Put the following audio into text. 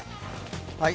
はい。